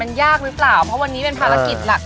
มันยากหรือเปล่าเพราะวันนี้เป็นภารกิจหลัก